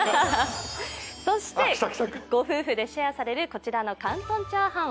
そして、ご夫婦でシェアされるこちらのチャーハン。